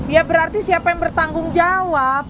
ya berarti siapa yang bertanggung jawab